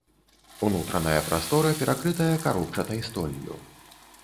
Унутраная прастора перакрытая каробчатай столлю.